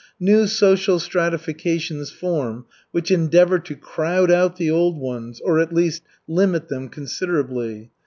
New social stratifications form, which endeavor to crowd out the old ones, or, at least, limit them considerably.